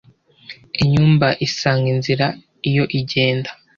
Inyumba isanga inzira iyo igenda,